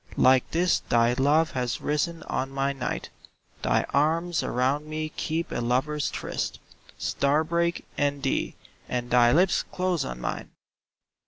Like this thy love has risen on my night, Thy arms around me keep a lover's tryst — Star break and thee, and thy lips close on mine!